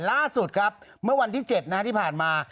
ล่าสุดครับเมื่อวันที่๗ที่ผ่านมา